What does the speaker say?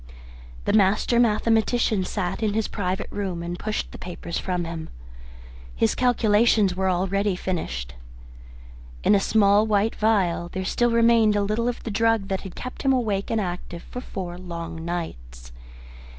The master mathematician sat in his private room and pushed the papers from him. His calculations were already finished. In a small white phial there still remained a little of the drug that had kept him awake and active for four long nights.